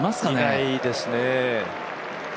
いないですね。